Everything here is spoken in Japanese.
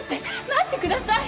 待ってください！